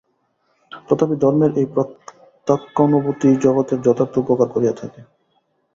তথাপি ধর্মের এই প্রত্যক্ষানুভূতিই জগতের যথার্থ উপকার করিয়া থাকে।